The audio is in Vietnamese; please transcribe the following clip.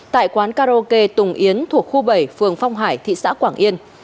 tại quán karaoke tùng yến thuộc khu bảy phường phong hải thị xã quảng yên